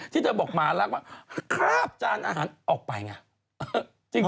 ที่เธอบอกหมารักว่าคาบจานอาหารออกไปไง